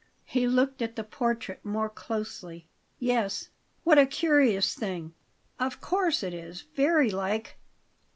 He looked at the portrait more closely. "Yes. What a curious thing! Of course it is; very like."